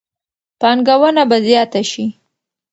پانګونه به زیاته شي.